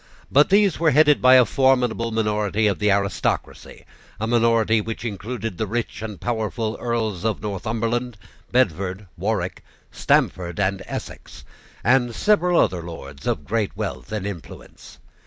But these were headed by a formidable minority of the aristocracy, a minority which included the rich and powerful Earls of Northumberland, Bedford, Warwick, Stamford, and Essex, and several other Lords of great wealth and influence.